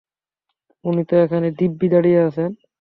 উনি তো এখানে দিব্যি দাঁড়িয়ে আছেন।